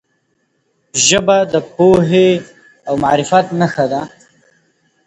ژبه د پوهې او معرفت نښه ده.